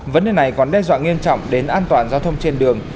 vấn đề này còn đe dọa nghiêm trọng đến an toàn giao thông trên đường